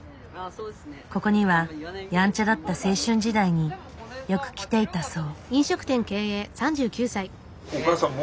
ここにはやんちゃだった青春時代によく来ていたそう。